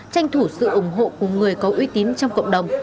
tranh thủ sự ủng hộ của người có uy tín trong cộng đồng